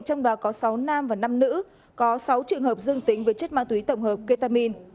trong đó có sáu nam và năm nữ có sáu trường hợp dương tính với chất ma túy tổng hợp ketamin